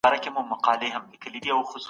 د علم زيور انسان ته ښکلا ورکوي.